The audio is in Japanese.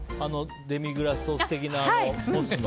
デミグラスソース的な、モスの。